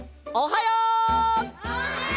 おはよう！